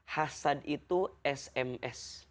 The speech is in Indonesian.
hasad itu sms